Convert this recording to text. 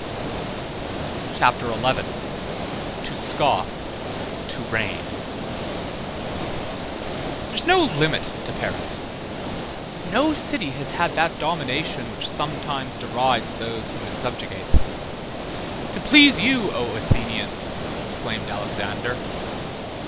CHAPTER XI—TO SCOFF, TO REIGN There is no limit to Paris. No city has had that domination which sometimes derides those whom it subjugates. To please you, O Athenians! exclaimed Alexander.